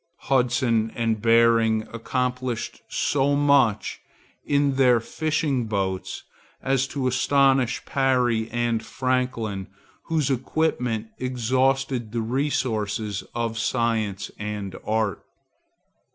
Hudson and Behring accomplished so much in their fishing boats as to astonish Parry and Franklin, whose equipment exhausted the resources of science and art.